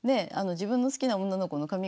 自分の好きな女の子の髪形